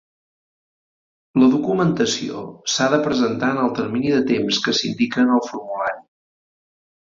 La documentació s'ha de presentar en el termini de temps que s'indica en el formulari.